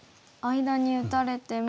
間に打たれても。